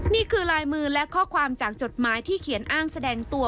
นี่คือลายมือและข้อความจากจดหมายที่เขียนอ้างแสดงตัว